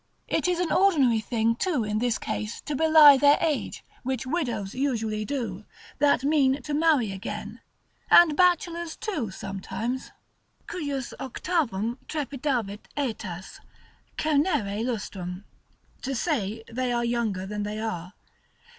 It is an ordinary thing too in this case to belie their age, which widows usually do, that mean to marry again, and bachelors too sometimes, Cujus octavum trepidavit aetas, cernere lustrum; to say they are younger than they are.